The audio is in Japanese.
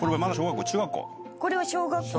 これは小学校？